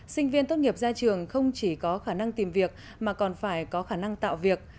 sinh viên tốt nghiệp ra trường không chỉ có khả năng tìm việc mà còn phải có khả năng tạo việc